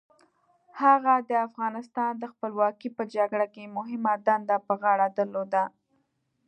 هغه د افغانستان د خپلواکۍ په جګړه کې مهمه دنده په غاړه درلوده.